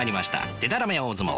でたらめ大相撲。